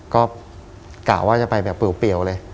ก็กะว่าจะไปแบบเปรียวเลย